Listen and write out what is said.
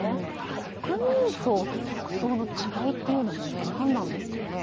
国民葬と国葬の違いというのも何なんですかね。